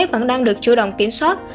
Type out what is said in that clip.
vẫn đang được chủ động kiểm soát